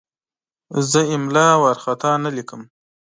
زه املا وارخطا نه لیکم.